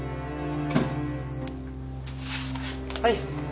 はい。